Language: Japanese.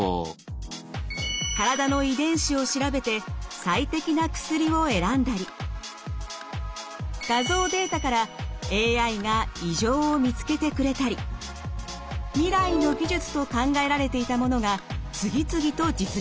体の遺伝子を調べて最適な薬を選んだり画像データからＡＩが異常を見つけてくれたり未来の技術と考えられていたものが次々と実現しています。